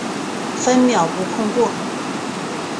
分秒不空过